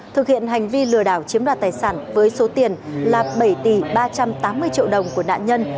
thực hiện hành vi lừa đảo chiếm đoạt tài sản với số tiền là bảy tỷ ba trăm tám mươi triệu đồng của nạn nhân